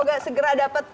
semoga segera dapat